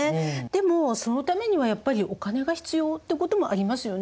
でもそのためにはやっぱりお金が必要ってこともありますよね。